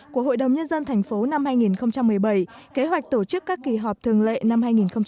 của hội đồng nhân dân tp năm hai nghìn một mươi bảy kế hoạch tổ chức các kỳ họp thường lệ năm hai nghìn một mươi bảy